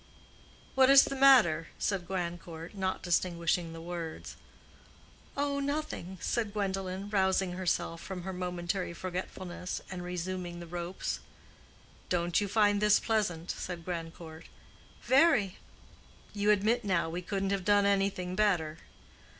"What is the matter?" said Grandcourt, not distinguishing the words. "Oh, nothing," said Gwendolen, rousing herself from her momentary forgetfulness and resuming the ropes. "Don't you find this pleasant?" said Grandcourt. "Very." "You admit now we couldn't have done anything better?"